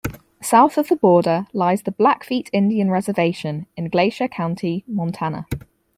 South of the border lies the Blackfeet Indian Reservation in Glacier County, Montana.